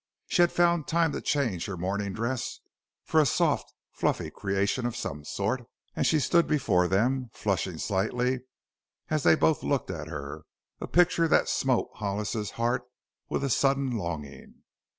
She had found time to change her morning dress for a soft, fluffy creation of some sort, and she stood before them, flushing slightly as both looked at her, a picture that smote Hollis's heart with a sudden longing.